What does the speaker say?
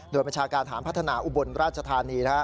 โดยบัญชาการฐานพัฒนาอุบลราชธานี